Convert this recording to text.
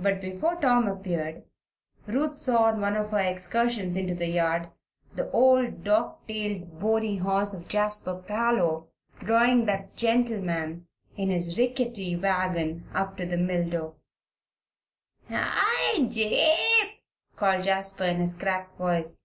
But before Tom appeared Ruth saw, on one of her excursions into the yard, the old, dock tailed, bony horse of Jasper Parloe drawing that gentleman in his rickety wagon up to the mill door. "Hi, Jabe!" called Jasper, in his cracked voice.